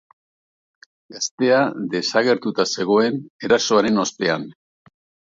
Gaztea desagertuta zegoen erasoaren ostean.